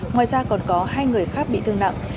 ngoài ra còn có hai người khác bị thương nặng